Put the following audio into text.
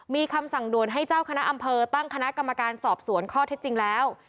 มีคำสั่งด่วนให้เจ้าคณะอำเภอตั้งคณะกรรมการสอบสวนข้อเท็จจริงแล้ว